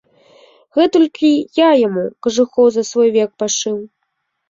Гэтулькі я яму кажухоў за свой век пашыў.